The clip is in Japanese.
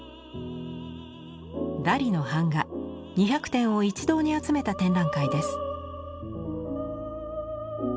ダリの版画２００点を一堂に集めた展覧会です。